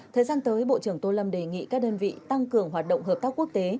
thời gian tới bộ trưởng tô lâm đề nghị các đơn vị tăng cường hoạt động hợp tác quốc tế